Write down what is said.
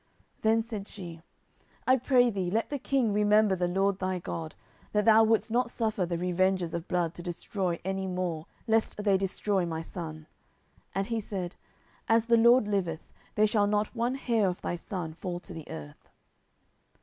10:014:011 Then said she, I pray thee, let the king remember the LORD thy God, that thou wouldest not suffer the revengers of blood to destroy any more, lest they destroy my son. And he said, As the LORD liveth, there shall not one hair of thy son fall to the earth.